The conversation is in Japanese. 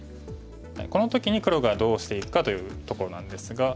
この時に黒がどうしていくかというところなんですが。